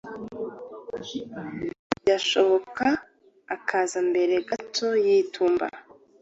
byashoboka akaza mbere gato y’itumba.